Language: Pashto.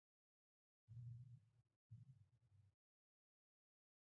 وزې د بازار لپاره ارزښت لري